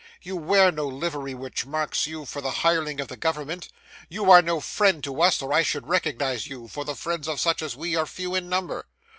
'You wear no livery which marks you for the hireling of the government. You are no friend to us, or I should recognise you, for the friends of such as we are few in number.